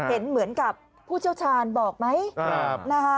เห็นเหมือนกับผู้เชี่ยวชาญบอกไหมนะคะ